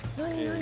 何？